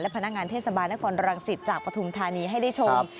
พนักงานเทศบาลนครรังสิตจากปฐุมธานีให้ได้ชม